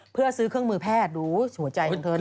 เพื่อซื้อเครื่องมือแพทย์ดูหัวใจของเธอด้วย